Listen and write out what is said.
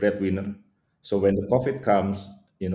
jadi ketika covid sembilan belas datang